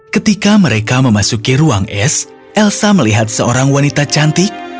ketika mereka memasuki ruang es elsa melihat seorang wanita cantik